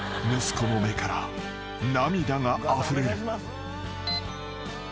［息子の目から涙があふれる］